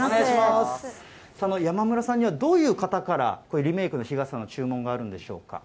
その山村さんにはどういう方からリメークの日傘の注文があるんでしょうか。